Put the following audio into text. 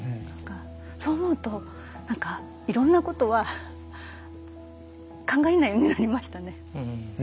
そう思うといろんなことは考えないようになりましたね。